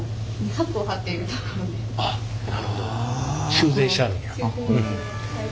修繕してはるんや。